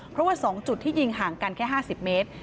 เพราะว่า๒จุดที่ยิงห่างกันแค่๕๐เมตร